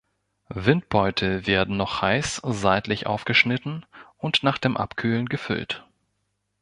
Windbeutel werden noch heiß seitlich aufgeschnitten und nach dem Abkühlen gefüllt.